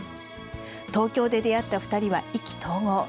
東京で出会った２人は意気投合。